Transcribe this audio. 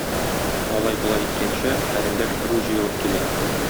Алай-болай иткәнче карендәш-ыру җыелып килә.